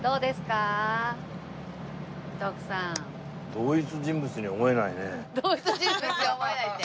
同一人物には思えないって。